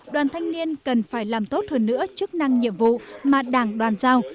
đoàn thanh niên cần phải làm tốt hơn nữa chức năng nhiệm vụ mà đảng đoàn giao